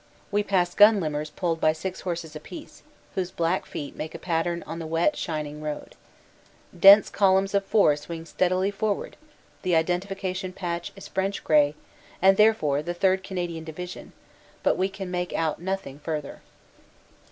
We pass gun limbers pulled by six horses apiece, whose black feet make a pattern on the wet shining road. Dense columns of four swing steadily forward the identification patch is French grey, and therefore the 3rd. Canadian Division, but we can make out nothing further.